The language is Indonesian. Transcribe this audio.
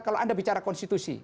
kalau anda bicara konstitusi